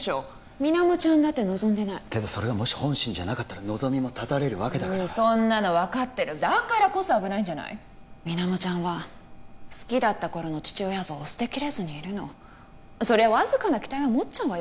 水面ちゃんだって望んでないけどそれがもし本心じゃなかったら望みもたたれるわけだからそんなの分かってるだからこそ危ないんじゃない水面ちゃんは好きだった頃の父親像を捨てきれずにいるのそりゃわずかな期待は持っちゃうわよ